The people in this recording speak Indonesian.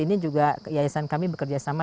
ini juga yayasan kami bekerjasama